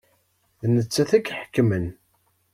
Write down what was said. D nettat i iḥekmen.